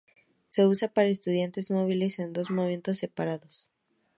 Se usa para estudiantes móviles en dos momentos separados.